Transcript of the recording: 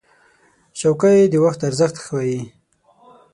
چوکۍ د وخت ارزښت ښووي.